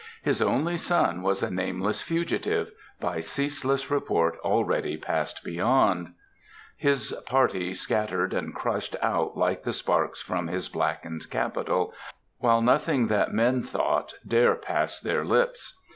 His only son was a nameless fugitive by ceaseless report already Passed Beyond his party scattered and crushed out like the sparks from his blackened Capital, while nothing that men thought dare pass their lips.